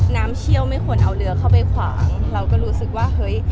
เชี่ยวไม่ควรเอาเรือเข้าไปขวางเราก็รู้สึกว่าเฮ้ย